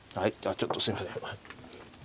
ちょっとすいません。